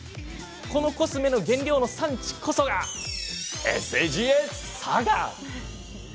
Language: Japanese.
このコスメの原料の産地こそがＳＡＧＡ、佐賀。